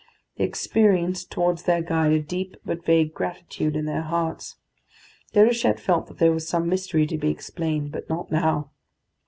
They experienced towards their guide a deep but vague gratitude in their hearts. Déruchette felt that there was some mystery to be explained, but not now.